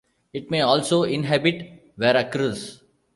It may also inhabit Veracruz.